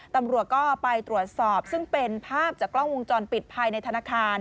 ตำรวจก็ไปตรวจสอบซึ่งเป็นภาพจากกล้องวงจรปิดภายในธนาคาร